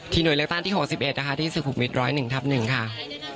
ทีหน่วยเริ่มตั้งที่หกสิบเอ็ดนะคะที่สุขุมิตรแสดงหนึ่งถับหนึ่งค่ะ